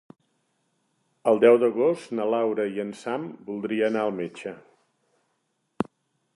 El deu d'agost na Laura i en Sam voldria anar al metge.